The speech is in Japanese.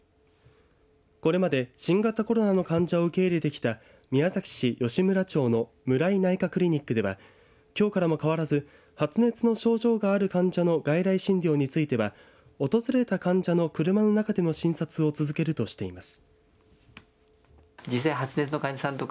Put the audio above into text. これまで新型コロナの患者を受け入れてきた宮崎市吉村町のむらい内科クリニックではきょうからも変わらず発熱の症状がある患者の外来診療については訪れた患者の車の中での診察を続けるとしています。